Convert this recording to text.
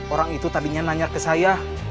orang itu tadinya nanya ke saya